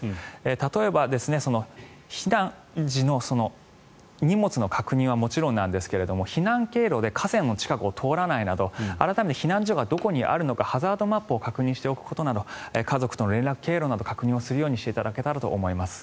例えば、避難時の荷物の確認はもちろんですが避難経路で河川の近くを通らないなど改めて避難所がどこにあるのかハザードマップを確認しておくことなど家族との連絡経路など確認をするようにしていただけたらと思います。